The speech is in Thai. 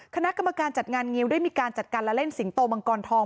คณะกรรมการจัดงานงิวได้มีการจัดการและเล่นสิงโตมังกรทอง